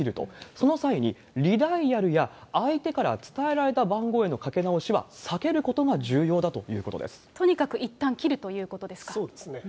その際に、リダイヤルや相手から伝えられた番号へのかけ直しは避けることがとにかくいったん切るというそうですね。